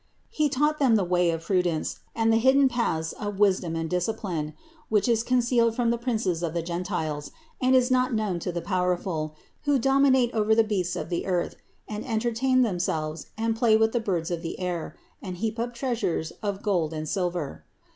He taught them the way of prudence and the hidden paths of wisdom and discipline, which is concealed from the princes of the gentiles, and is not known to the powerful, who dominate over the beasts of the earth and entertain themselves and play with the birds of the air and heap up treasures of gold and silver.